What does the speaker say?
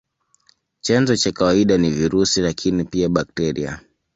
Chanzo cha kawaida ni virusi, lakini pia bakteria.